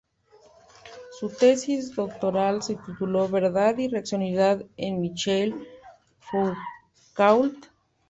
Su tesis doctoral se tituló "Verdad y racionalidad en Michel Foucault".